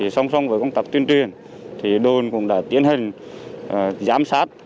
xong xong với công tập tuyên truyền đồn cũng đã tiến hình giám sát